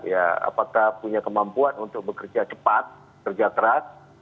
apakah punya kemampuan untuk bekerja cepat kerja keras